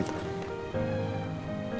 sebelum menerima surat itu